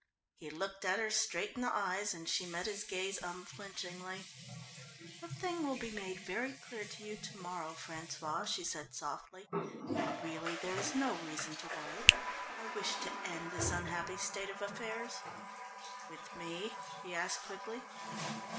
He looked at her straight in the eyes and she met his gaze unflinchingly. "The thing will be made very clear to you to morrow, François," she said softly, "and really there is no reason to worry. I wish to end this unhappy state of affairs." "With me?" he asked quickly.